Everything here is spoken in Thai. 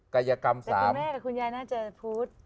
แต่คุณแม่กับคุณยายน่าจะพูด